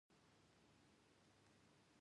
د نجونو تعلیم د یوې روښانه راتلونکې تضمین دی.